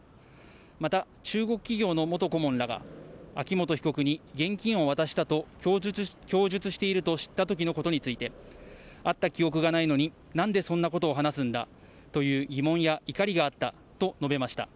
また中国企業の元顧問らが、秋元被告に現金を渡したと供述していると知ったときのことについて、会った記憶がないのに、なんでそんなことを話すんだという疑問や怒りがあったと述べました。